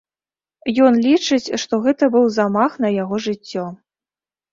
Ён лічыць, што гэта быў замах на яго жыццё.